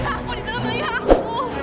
ayah aku ditanam ayah aku